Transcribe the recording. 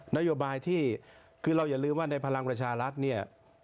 นโยบายที่คือเราอย่าลืมว่าในพลังประชารัฐเนี่ย